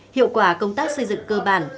hiệu quả công tác xây dựng cơ bản